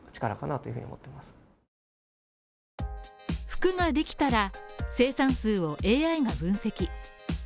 服ができたら生産数をＡＩが分析。